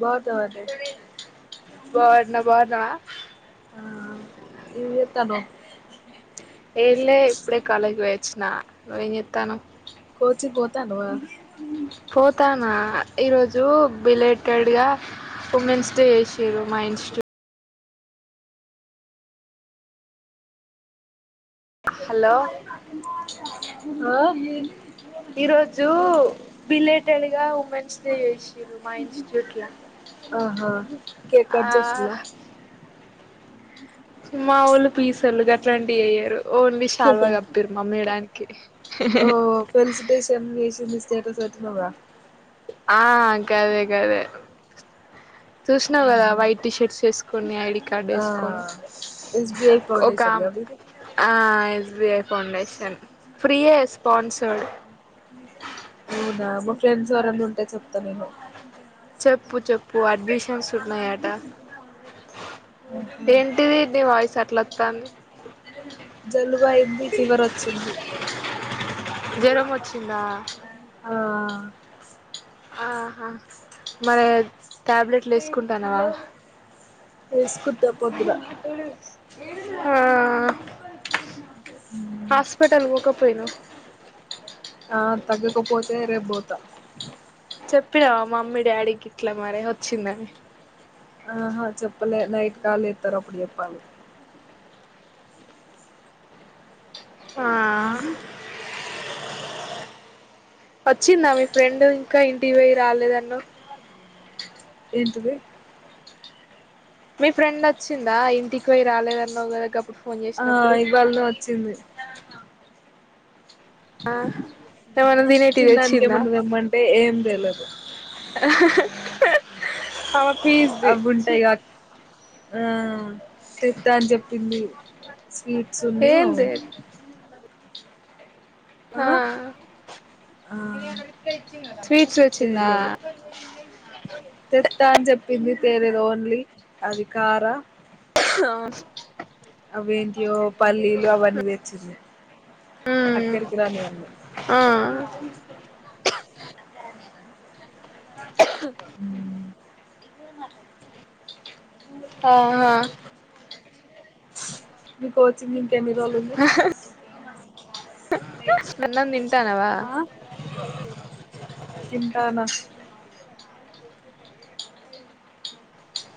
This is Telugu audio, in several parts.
బోతె ఒతది బగున్నా బాగున్నవా ఆ ఏం చేత్తన్నావ్ నువేం చేతనవ్ కోచికి పోతాండవ పోతానా ఈరోజు బిలేటెడ్గా ఉమెన్స్ డే చేసిర్రు మా ఇన్స్టిట్ హలో ఆ ఈ రోజు బిలేటెడ్ గా ఉ మెన్స్ డే చేసిర్రు మా ఇన్స్టిట్యూట్ లా ఆహా కేక్ కట్ చేసిరా మావొళ్ళు పీ సొళ్ళు గట్లాంటివి యెయ్యారు ఓన్లీ శాల్వా కప్పిరు మా మెడానికి ఓ ఫెలిసిటేషన్ చేసింది స్టేటస్ వేటినవ్గా ఆ గదే గదే చూసినవ్ కదా ఆహా. వైట్ టీషర్ట్స్ వేసుకొని ఐడి కార్డు ఆ వేసుకొని ఎస్బిఐ ఒక ఫౌండేషన్ గా మీది ఆ ఎస్బిఎఫ్ ఫౌండేషన్ ఫ్రీయే ఎస్పన్సడ్ అవునా మా ఫ్రెండ్స్ ఎవరన్న ఉంటే చెప్త నేను చెప్పు చెప్పు అడ్మిషన్స్ ఉన్నాయట ఏంటిది నీ వాయిస్ అట్లోతుంది జలుబ అయింది ఫివర్ వచ్చింది జెరం వచ్చిందా ఆ ఆహా మరి ట్యాబ్లెట్లు వేసుకుంటావ వేసుకునా పొద్దున హా హాస్పిటల్ వొక పోయినవ్ ఆ తగ్గకపోతే రేప్ బోత చెప్పినావా మమ్మీ డాడీకి ఇట్లా మరి ఓచ్చిందని ఆహా చెప్పలే నైట్ కాల్ జేత్తరు అప్పుడు చెప్పాలె ఆ ఓచ్చిందా మీ ఫ్రెండ్ ఇంకా ఇంటివయి రాలేదన్నవ్ ఎంతది మీ ఫ్రెండ్ డోచ్చిందా ఇంటికి వోయి రాలేదన్నవ్ గద గప్పుడు ఫోన్ ఆ చేసినప్పుడు ఇవాళ ఓచ్చింది ఆ తినడానికి ఏమన్నా తెమ్మంటే ఏం తెలీదు అ పీజ ది అవి చ్చి ఉంటాయిగా ఆ తిడ్తా అని చెప్పింది స్వీట్సున్ను అవు ఏంది ఆ ఆ స్వీట్స్ వచ్చిందా తేత అనీ చెపి ఫెర్రర్ ఓన్లీ ఆది కార అవున అవేంటియో పల్లీలు అవన్నీ దేచ్చింది మ్మ్ అక్కడిరాని ఇవన్నీ ఆ ఉమ్ ఆహ్ ఆ మీ కోచింగ్ ఇంకా ఎన్ని రోజులుంది అన్నం తింటానవా తింటాన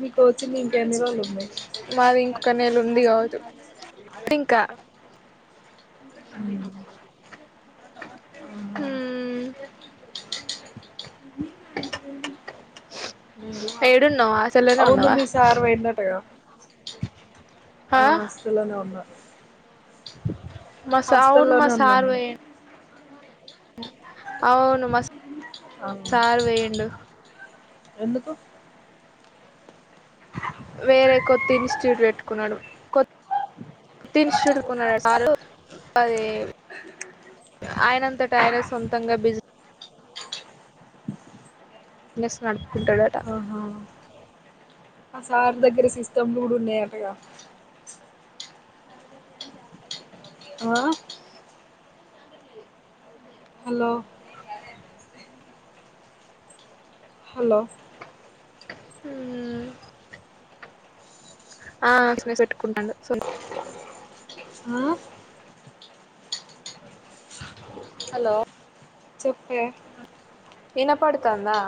మీ కోచింగ్ ఇంక ఎన్ని రోజ్ మాది ఇంకొక నేళ ఉంది కావచు ఇంకా ఉమ్ ఊ ఏడున్నావ అవును మీ సార్ వోయిడంట గదా ఆ హాస్టల్లనే ఉన్నా మసావును మా హాస్టల్లోనే ఉన్నా సార్ నేను పోయిండు అవును మ ఆ సార్ వోయిండు ఎందుకు వేరే కొత్త ఇన్స్టిట్యూట్ వేటుకున్నాడు తిన్స్టిట్యూట్ కన్నడ సారు ఆయనంత టైనే సొంతంగా బిజి బిజ్నెస్ నడుపుకుంటాడంట ఆహా ఆ సార్ దగ్గర ఈ సిస్టమ్లు మూడు ఉన్నాయంటగా ఆ హలో హాలో ఉమ్ ఆ బిజినెస్ వెట్టుకుంటాండు సో ఆ హాలో చెప్పే ఇనాపడ్తూందా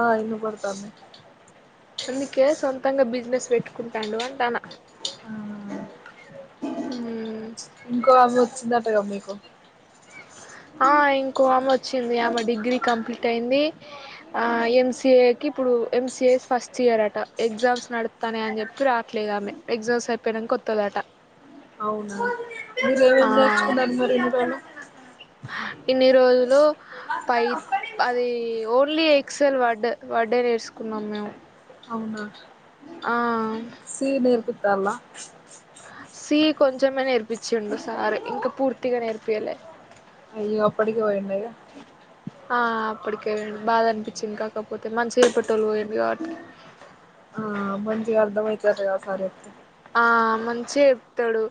ఆ ఇనపడ్తుంది అందుకే సొంతంగా బిజ్నెస్ పెట్టుకుంటాండు అంటానా ఆ ఇంకో ఆమె ఒచ్చిందటగా మీకు ఆ ఇంకో అమె ఒచ్ చ్చింది. ఆమె డిగ్రీ కంప్లీట్ ఐంది ఆ ఎం. సి. ఏ కిపుడు ఎం. సి. ఏస్ ఫస్ట్ ఇ ఇయరట ఎగ్జామ్స్ నడుత్తనయన్ అని జెప్పి రాట్లేదామె ఎగ్జామ్స్ ఐపోయినంకొత్తదట అవునా మీరేం ఏం ఆ ఏం నేర్చుకున్నార్ మరి ఇన్ని రోజ్లు ఇన్ని రోజులు పై అది ఓన్లీ ఎక్సల్ వాడ్ వడే నేర్సూకు ఉన్నామ్ మేము ఆ సీ నేర్పితాల్ల సీ కొంచమే నేర్పిచ్చిన్డు సార్ ఇంకా పూర్తిగా నేర్పియలే అయ్యో అప్పడికె వోయిండ ఇగ ఆ అప్పటికే వొయ్ండు బాధ అన్పించింది కాకపోతే మంచిగా చెప్పేట్టోల్ పోయిండ్రు కాబట్టి ఆ మంచిగ అర్ధమైతది అట్ల ఆ సార్ చేప్తే ఆ మంచిగ చెప్తాడు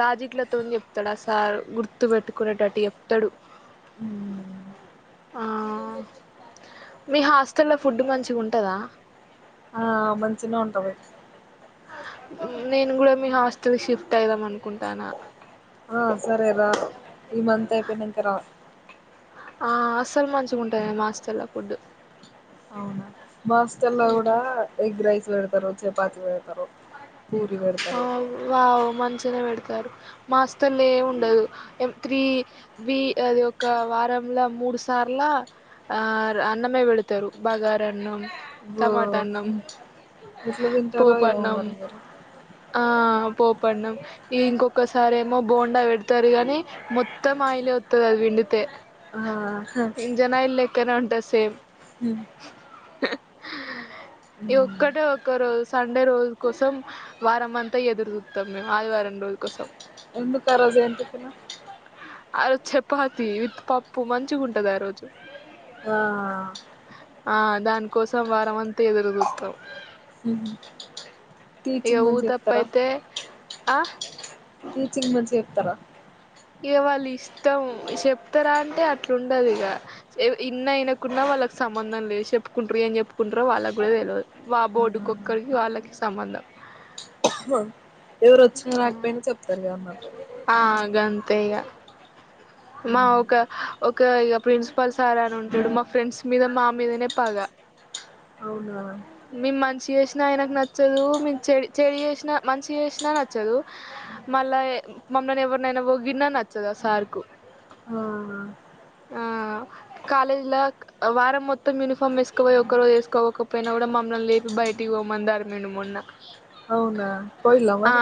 లాజిక్ లతోన్ చెప్తడ్ ఆ సార్ గుర్తు పెట్టుకునేటట్ ట్టు చేప్తడు ఉమ్మ్ ఆ మీ హాస్టల్ల ఫుడ్ మంచిగుంటదా? ఆ మంచిగ్నే ఉంటది నేను గూడ మీ హాస్టల్ షిఫ్ట్ అయిదాం అన్కుంటానా! ఆ సరే రా ఈ మంత్ అయ్ పోయినంక రా ఆ అసల్ మంచిగుంటలె మాస్టల్ల ఫుడ్డు అవునా మా హస్టలో కూడా ఎగ్ రైస్ వెడ్తరు చపాతి వెడ్తరు. అవ్ వావ్ మంచ్ గ్నే పెడ్తరు మాస్టల్లో ఏం ఉండదు ఎమ్ త్రీ బి అది ఒక వారం ల మూడు సార్ల ఆ అన్నమే వెడ్తరు బగారన్నం టమాటా అన్ అన్నం ఎట్ల తింటురో ఎమో పోపన్నం మరి మీరు ఆ పోపన్నం ఇంకొకసారెమో బోండా పెడ్తరు గానీ మొత్తం ఆయిలే వొత్తది అది పి పిండితే ఆ ఇంజన్ ఆయిల్లెక్కనే ఉంటద్ సేమ్ ఉమ్ అ హా ఈ మ్మ్. ఒక్కటే ఒక్క రోజ్ సండే రోజ్ కోసం వారం అంతా ఎదురు సుత్తమ్ మేమ్ ఆదివారం రోజ్ కోసం ఎందుక్ ఆ రోజు ఏం టిఫిను ఆ రోజ్ చపాతి విత్ పప్పు మంచిగుంటది ఆ రోజు ఆ ఆ దాన్కోసం వారంమంతా ఎదురుజుత్తమ్ ఉహు ఇగ టీచింగ్ మంచిగా చెప్తారా ఊతప్పైతే అ టీచింగ్ మంచిగ చెప్తర ఇగ వాళ్ళిష్టం శెప్తరా అంటే అట్లుండదిగ చె ఇన్న ఇన కున్న వ వాళ్ళక్ సంబధం లేద్ శెప్పుకుంటర్ ఏం జెప్ప్కుంటరో వాళ్ళక్ గూడా తెల్వద్ వ బోర్డుక్కొకర్కీ వాళ్ళకి సంబంధం ఉహు ఎవరోచ్చినా రాక్పోయినా చెప్తార్ మిరన్నటు ఆగాంతే ఇగా మా ఒక హ ఒక ఇగ ప్రిన్సిపాల్ సార్ అని ఉంటాడు మా ఫ్రెండ్స్ మీద మా మీదనే పాగా అవునా మేమ్ మంచి చేస్నా ఆయనక్ నచ్చదు మేమ్ చె చెడ్ చేసినా మంచి చేస్నా నచ్చదు మళ్ళా ఎ మమ్మల్ని ఎవరినైనా పొగిడినా నచ్చదు ఆ సార్కు హా ఆ ఆ కాలేజ్ల క్ వారం మొత్తం యూనిఫామ్ వేసుకోపోయి ఒక రోజు ఏసవోకపోయినా ఐన గూడా మమ్మల్ని లేపి బయటికి వోమనదారూ నీను మొన్న అవున పోయిలా మరి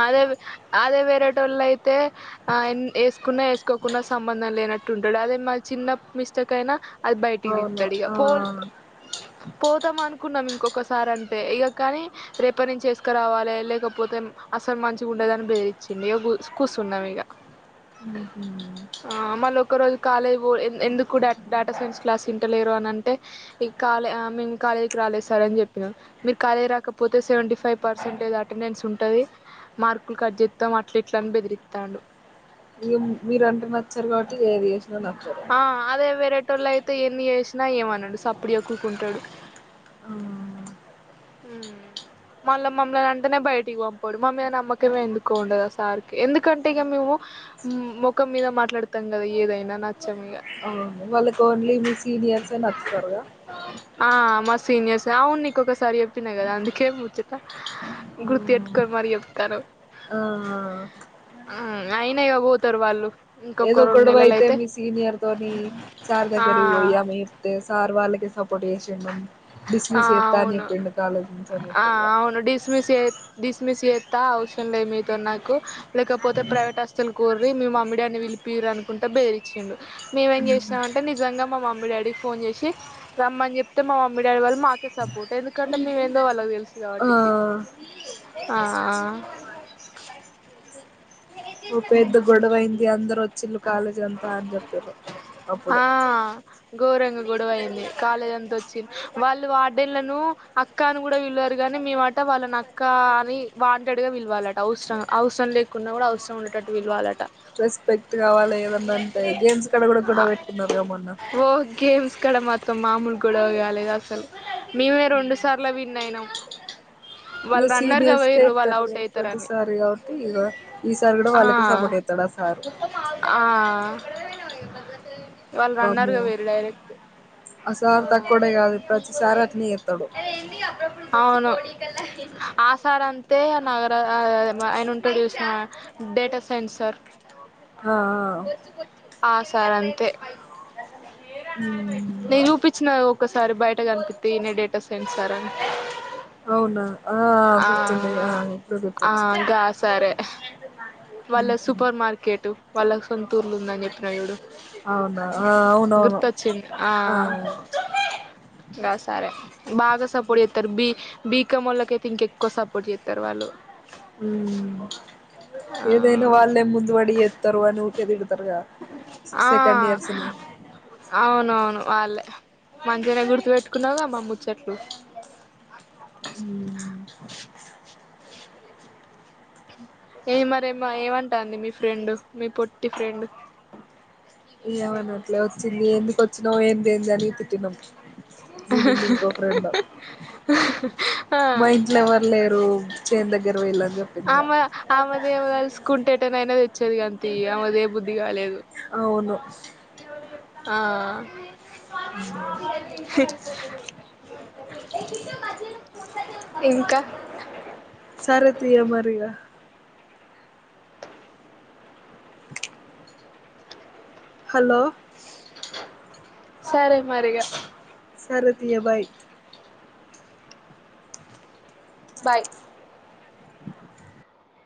ఆదే వేరేటోల్లైతే ఆ అన్ ఏసుకున్న వేసుకోకున్న సంబంధం లేనట్టు ఉంటాడు అదే మ చిన్న మిస్టేక్ అయినా అది బైయటికి అవును తిస్తాడు ఇక ఆ పో పోతామను న్నాం ఇంకొకసారి అంటే ఇగా కాని రేప నుంచి చేస్కారావాలి లేకపోతే అసలు మంచిగా ఉండ ఎదని బేదిరీచ్చింది ఇగా కూసున్నాం ఇగ మ్మ్ మ్మ్ ఆ మల్లొక్కరోజు కాలేవో ఎంద ఎందుకు డట్ డటా సైన్స్ క్లాస్ ఈంటలేరు అనంటే కాలే అమెంకలే రల్ సార్ అని జేప్పినా మీరు కాలేజీ రాకపోతే సెవెంటీ ఫైవ్ పర్సెంటేజ్ అటెంనేన్స్ ఉంటుంది మార్కులు కట్ జేత్తం అట్ల ఇట్లని బెదిరితండు ఇగ మీరంటే నచ్చారు కాట్టి ఏది ఏషినా నచ్చారు అదే వేరేటోళ్ళు అయితే ఎన్ని యేసినా ఏమనడు సప్పుడు ఎక్కుంటడు ఆ ఉమ్ మళ్ళ మమ్మల్నింటనే బయటికి పంపాడు మామీద నమ్మకమే ఎందుకో ఉండదు ఆ సార్కి ఎందుకంటే ఇక మేము మోఖం మీద మాట్లాడతాం గదా ఏదైనా నచ్చం ఇగ వాళ్ళకోన్లీ మీ సినియోర్సే నచ్చుతరుగా ఆ మ సీనియర్స్ అవును నీకు ఒకసారి చెప్పినా గదా అందుకే ముచ్చట గుర్తేట్టుకొన మరి ఏప్తారు ఆ ఆ ఆ అయిన ఇగ వోతారు వాళ్ళు ఏదో ఇంకొక రెండు గొడవ నెలలు అయితే మీ సీనియర్ తోని సార్ ఆ దగ్గర ఓయి ఆమె ఎప్తే సార్ వాళ్ళకే సపోర్ట్ ఎస్ ఎన్మమ ఆ డిస్మిస్ చేస్తా అనే అవును ఎప్పిడి కాలేజ ఆ సమయపగా అవును డిస్మిస్ చే డిస్మిస్ ఏస్తా అవసరం లేదు మీతో నాకు లేకపోతే ప్రైవేట్ హాస్టకోర్రి ముమ్ముడాడ్ అని పీరు అనుకుంటూ బేరిచ్చిండు మేమేం జేస్నం అంటే నిజంగా మా మమ్మీ డాడీకి ఫోన్ జేషి రమ్మని జేప్తే మా మమ్మీ మీడాడి వాళ్ళ మాకే సపోర్ట్ ఎందుకంటే మేమెందో వాళ్ళకి దేలసు ఆ ఆ ఓ పెద్ద గొడవైంది అందరోచిల్లు కాలేజిలంతా అని జేప్పిరు అప్పుడు ఘోరంగ గొడవ అయింది కాలేజ్ అంతా ఓచ్చింది వాళ్ళు వార్డెన్లను అక్కాను గూడ విలరు గాని మేమట వాళ్నక్కా అని వాంటెడ్ గా విల్వలాట అవసరమ అవసరం లేకున్నా గుడా అవసరం ఉండటట్టు పిలవాలట రెస్పెక్ట్ గావాలి ఏదన్నాంటే ఇన్స్టాల్ కడ గుడా వేట్టుకున్నారు గా మొన్న ఓ గేమ్స్ కడ మొత్తం మామూలగోడగాలేదు అసలు మేమే రొండు సార్ల విన్ అయినాం ఇగ వాళ్ళు రన్నర్గా సీనియర్స్కే పోయిర్రు వాళ్ళు ఇత్తారు అవుట్ అయితారని ప్రతిసారి గావట్టి ఇగ ఈ సారేగుడా ఆ వాళ్ళకే సపోర్ట్ ఏతాడు ఆ సారు ఆ వాళ్ళు రన్నర్న్గ వోయిర్ డైరెక్ట్ అసార్థక్కడే గాదు ప్రతిసారీ ఆత్నేయేతడు అవును ఆసార్ అంతే నగర అ ఆయనుంటడు చూసావా డేటా సైన్సర్ ఆ ఆ సార్ అంతే మ్మ్ నెంజూపించచ్చినగ ఒకసారి బయట్ టా కనిపింతే ఇనే డేటా సైన్స్ సార అవునా ఆ గుర్తుండి ఆ ఇప్పుడు ఆ గుర్తొచ్ గా సరే [unintelligible] వాళ్ళ సూపర్ మార్కెట్ వాళ్ళ సొంతూర్లు ఉందని చెప్పిన జుడు అవునా ఆ అవునవును గుర్తొచ్చింది ఆ గా సరే బాగా సపోర్ట్ డెత్తరు బి బీకామ్ వాళ్ళక్ అయితే ఇంకా ఎక్కువ సపోర్ట్ చెత్తరు వాళ్ళు ఉమ్ ఏదైనా వాళ్ళే ముందు రెడీ చెత్తరు అని ఊకే తిడుతారుగా ఆ అవునవును వా ల్ మంచిగనే గుర్తు పెట్టుకున్నావుగా మాముచ్చట్లు ఉమ్ ఏ మరే మ ఏమంటాంది మీ ఫ్రెండ్ మీ పొట్టి ఫ్రెండ్ ఏమనాట్లే వొచ్చింది ఎందుకు వొచ్చినావ్ ఏంద్ ఏంది అని తిట్టిన్నాం నీనుండి ఇంకో ఫ్రెండ్ ఆ మా ఇంట్లో ఎవరు లేరు చేన్ దగ్గర వేళ్ళని చెప్ ఆమొ ఆమెదే దాలుసుకుంటే ఎట్టానై చవి గాంతి ఆమెది ఏ బుద్ధి కాలేదు అవును ఆ ఇంకా సరే తీయ మరి ఇగ హలో సరే మరి ఇగ సరే తీయ బాయ్ బాయ్